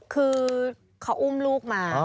คือเขาอุ้มลูกมา